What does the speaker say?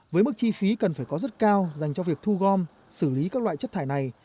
với mức chi phí cần phải có rất cao dành cho việc thu gom xử lý các loại chất thải này